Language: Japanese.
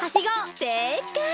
せいかい！